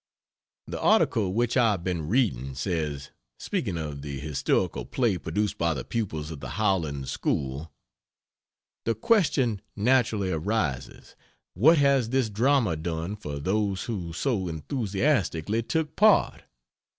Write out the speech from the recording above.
The article which I have been reading, says speaking of the historical play produced by the pupils of the Howland School "The question naturally arises, What has this drama done for those who so enthusiastically took part?